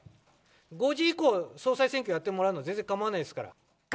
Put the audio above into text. ５時以降は総裁選挙やってもらうのは全然構わないですから。